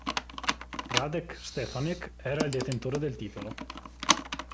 Radek Štěpánek era il detentore del titolo.